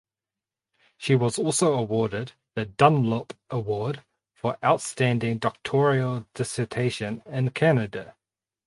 She was also awarded the Dunlop Award for Outstanding Doctoral Dissertation in Canada.